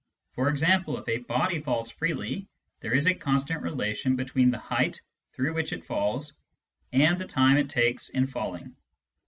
For example, if a body falls freely, there is a constant relation between the height through which it falls and the time it takes in falling.